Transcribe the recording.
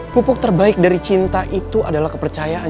pupuk terbaik dari cinta itu adalah kepercayaan